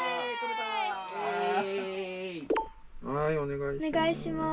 はいおねがいします。